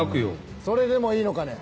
それでもいいのかね。